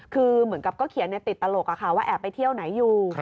คือเหมือนกับก็เขียนในติดตลกว่าแอบไปเที่ยวไหนอยู่